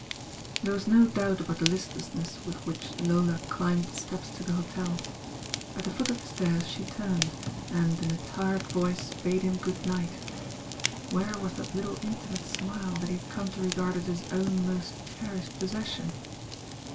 There was> no doubt about the listlessness with which Lola climbed the steps to the hotel. At the foot of the stairs she turned, and in a tired voice bade him good night— where was that little inti mate smile that he had come to regard as his own most cherished possession?